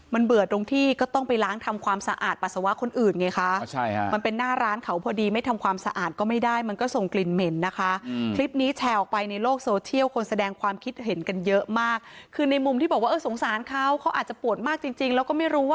มันเป็นพฤติกรรมที่มักง่ายเกินไปหรือเปล่า